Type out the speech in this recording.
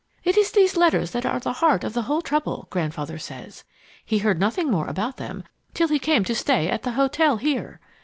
"It is these letters that are the heart of the whole trouble, Grandfather says. He heard nothing more about them till he came to stay at the hotel here.